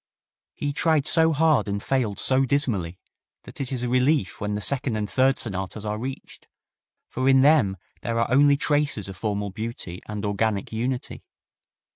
He tried so hard and failed so dismally that it is a relief when the second and third sonatas are reached, for in them there are only traces of formal beauty and organic unity.